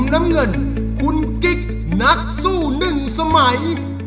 น้ำเงินคุณกิ๊กนักสู้หนึ่งสมัย